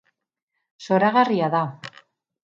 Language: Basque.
Zoragarria da.